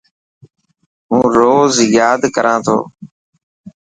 هون روز ياد ڪران ٿو.